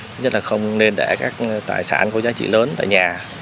chắc là không nên để các tài sản có giá trị lớn tại nhà